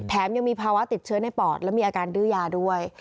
ยังมีภาวะติดเชื้อในปอดและมีอาการดื้อยาด้วย